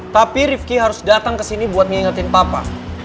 tapi rifki harus datang kesini buat ngingetin papa